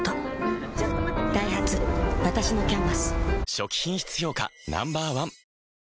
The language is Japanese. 初期品質評価Ｎｏ．１